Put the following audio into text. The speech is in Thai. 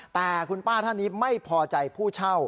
แต่คุณป้าท่านนี้ไม่พอใจผู้เช่า